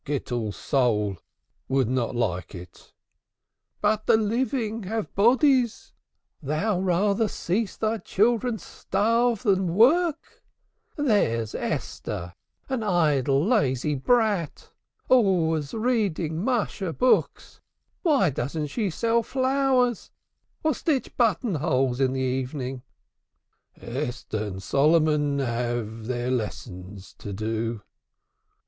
"Gittel's soul would not like it." "But the living have bodies! Thou rather seest thy children starve than work. There's Esther, an idle, lazy brat, always reading story books; why doesn't she sell flowers or pull out bastings in the evening?" "Esther and Solomon have their lessons to do."